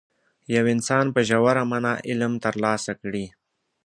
یو انسان په ژوره معنا علم ترلاسه کړي.